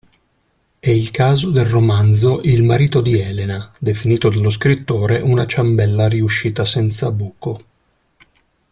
È il caso del romanzo Il marito di Elena, definito dallo scrittore una ciambella riuscita senza buco.